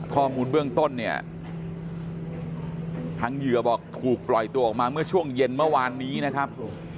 ข้อมูลเบื้องต้นเนี่ยทางเหยื่อบอกถูกปล่อยตัวออกมาเมื่อช่วงเย็นเมื่อวานนี้นะครับ